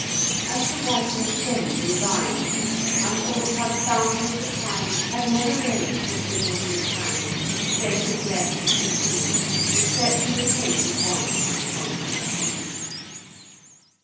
As the whitened stems environed me, I thought how the Founder of the time had never raised his benignant hand, save to bless and heal, except in the case of one unconscious tree.